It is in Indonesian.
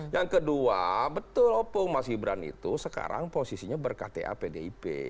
yang kedua betul opung mas gibran itu sekarang posisinya berkata pdip